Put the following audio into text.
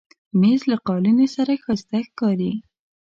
مېز له قالینې سره ښایسته ښکاري.